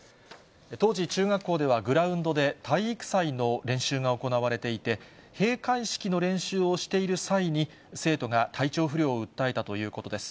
当時、中学校ではグラウンドで、体育祭の練習が行われていて、閉会式の練習をしている際に、生徒が体調不良を訴えたということです。